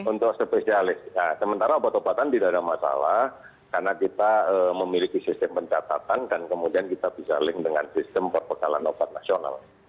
untuk spesialis nah sementara obat obatan tidak ada masalah karena kita memiliki sistem pencatatan dan kemudian kita bisa link dengan sistem perbekalan obat nasional